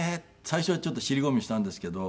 最初はちょっと尻込みしたんですけど。